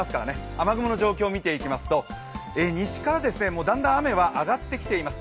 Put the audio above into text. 雨雲の状況を見ていきますと、西からだんだん雨はあがってきています。